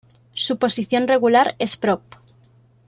Su posición regular es prop.